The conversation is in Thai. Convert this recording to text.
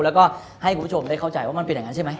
แล้วก็ให้คุณผู้ชมได้เข้าใจว่ามันเป็นอย่างนั้นใช่ไหม